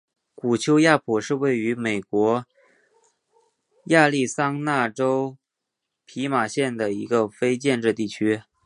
古丘亚普是位于美国亚利桑那州皮马县的一个非建制地区。